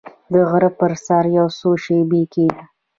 • د غره پر سر یو څو شېبې کښېنه.